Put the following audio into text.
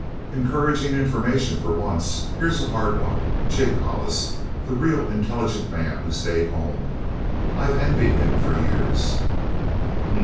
"Encouraging information, for once. Here's a hard one Jig Hollis. The real intelligent man who stayed home. I've envied him for years."